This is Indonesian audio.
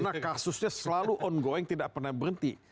karena kasusnya selalu ongoing tidak pernah berhenti